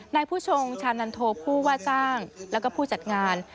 นายผู้ชงชานันโทผู้ว่าจ้างแล้วก็ผู้จัดงาน